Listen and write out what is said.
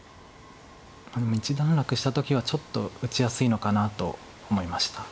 一段落した時はちょっと打ちやすいのかなと思いました。